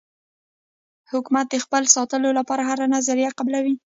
حکومت د خپل ساتلو لپاره هره نظریه قبلوي.